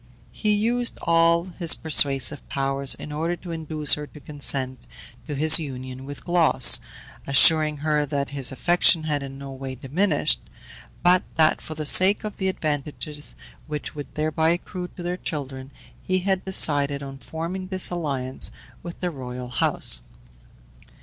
He used all his persuasive powers in order to induce her to consent to his union with Glauce, assuring her that his affection had in no way diminished, but that for the sake of the advantages which would thereby accrue to their children, he had decided on forming this alliance with the royal house.